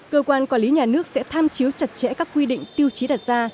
cơ quan quản lý nhà nước sẽ tham chiếu chặt chẽ các quy định tiêu chí đặt ra